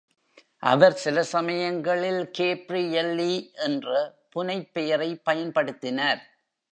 அவர் சில சமயங்களில் கேப்ரியெல்லி என்ற புனைப்பெயரைப் பயன்படுத்தினார்.